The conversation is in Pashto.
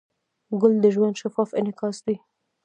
ګل د ژوند شفاف انعکاس دی.